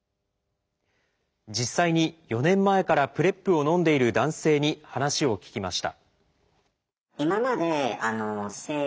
実際に４年前からＰｒＥＰをのんでいる男性に話を聞きました。